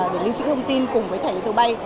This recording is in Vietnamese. để linh chữ thông tin cùng với thải lên tàu bay